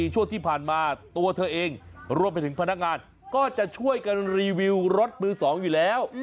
ช่วงที่ผ่านมาตัวเธอเองรวมไปถึงพนักงานก็จะช่วยกันรีวิวรถมือ๒อยู่แล้ว